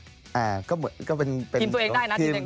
ทีมตัวเองได้นะ